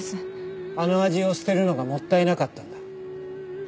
あの味を捨てるのがもったいなかったんだ。